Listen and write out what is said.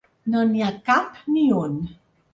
No n’hi ha cap n’hi un.